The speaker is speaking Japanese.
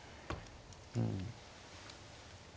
うん。